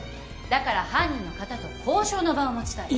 だから犯人の方と交渉の場を持ちたい。